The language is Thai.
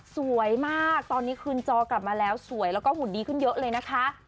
สวยมากตอนนี้คืนจอกลับมาแล้วสวยแล้วก็หุ่นดีขึ้นเยอะเลยนะคะ